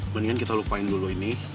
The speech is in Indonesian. mendingan kita lupain dulu ini